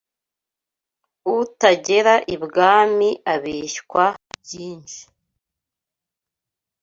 Utagera ibwami abeshywa byinshi